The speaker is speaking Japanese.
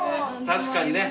確かにね。